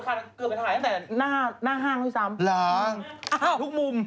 ขายาว